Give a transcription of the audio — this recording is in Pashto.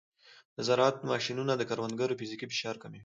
د زراعت ماشینونه د کروندګرو فزیکي فشار کموي.